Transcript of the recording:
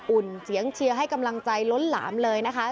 อุ่นเสียงเชียร์ให้กำลังใจล้นหลามเลยนะคะ